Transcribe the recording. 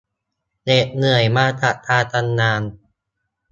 เหน็ดเหนื่อยมาจากการทำงาน